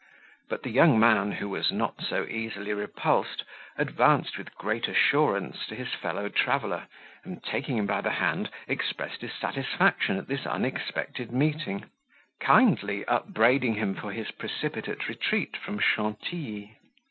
But the young man, who was not so easily repulsed, advanced with great assurance to his fellow traveller, and taking him by the hand, expressed his satisfaction at this unexpected meeting; kindly upbraiding him for his precipitate retreat from Chantilly.